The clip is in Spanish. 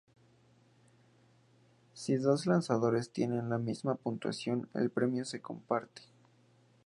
Si dos lanzadores tienen la misma puntuación, el premio se comparte.